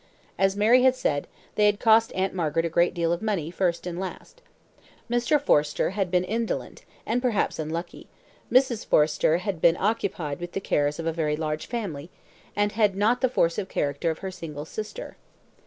As Mary had said, they had cost Aunt Margaret a great deal of money first and last. Mr. Forrester had been indolent, and perhaps unlucky; Mrs. Forrester had been occupied with the cares of a very large family, and had not the force of character of her single sister.